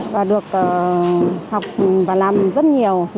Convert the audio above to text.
và được học và làm rất nhiều